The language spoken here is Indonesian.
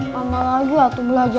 pama lagi waktu belajar